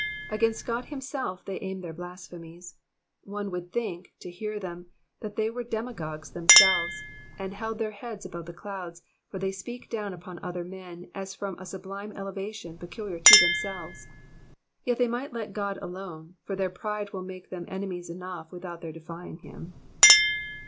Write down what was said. ''^ Against God himself they aim their blasphemies. One would think, to hear them, that they were demi gods themselves, and held their heads above the clouds, for they speak down upon other men as from a sublime elevation peculiar to themselves. Yet they might let God alone, for their pride will make them enemies enough without their defying him.